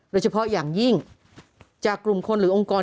โดยเฉพาะอย่างยิ่งจากกลุ่มคนหรือองค์กร